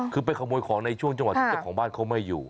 คือไปขโมยของในช่วงจังหวะที่เจ้าของบ้านเขาไม่อยู่